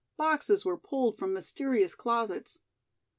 Boxes were pulled from mysterious closets.